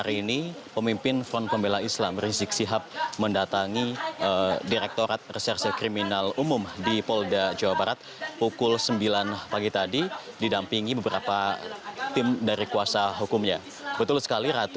rizik shihab berkata